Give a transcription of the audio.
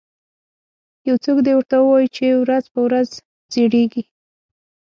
یو څوک دې ورته ووایي چې ورځ په ورځ زړیږي